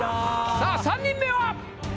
さあ３人目は。